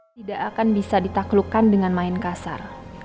tidak akan bisa ditaklukkan dengan main kasar